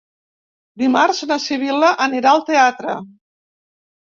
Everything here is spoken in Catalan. Dimarts na Sibil·la anirà al teatre.